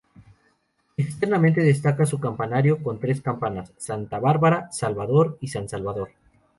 Externamente destaca su campanario, con tres campanas: Santa Bárbara, Salvador y San Salvador.